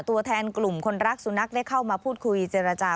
ตัวแทนกลุ่มคนรักสุนัขได้เข้ามาพูดคุยเจรจา